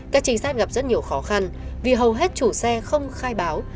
các trinh sát gặp rất nhiều khó khăn vì hầu hết chủ xe không khai báo